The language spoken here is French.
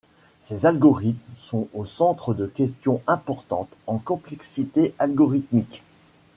Ces algorithmes sont au centre de questions importantes en complexité algorithmique.